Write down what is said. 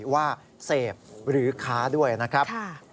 ว่าเสพหรือค้าด้วยนะครับ